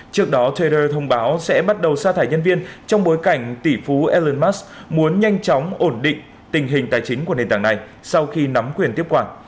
trước đó tier thông báo sẽ bắt đầu xa thải nhân viên trong bối cảnh tỷ phú elon musk muốn nhanh chóng ổn định tình hình tài chính của nền tảng này sau khi nắm quyền tiếp quản